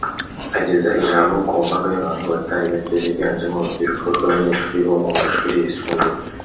Ageza ijambo ku mbaga y’abantu batari bake biganjemo urubyiruko rw’abanyeshuri bo mu mashuri yisumbuye